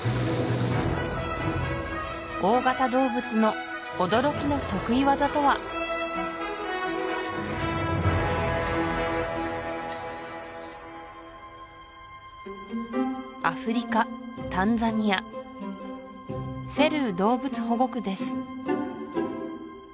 大型動物の驚きの得意技とはアフリカタンザニアセルー動物保護区です